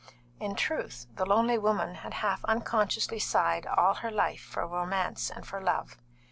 In truth, the lonely woman had half unconsciously sighed all her life for romance and for love.